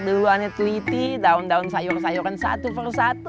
ketika kamu meneliti daun daun sayur sayuran satu per satu